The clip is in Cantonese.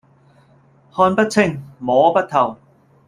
看不清、摸不透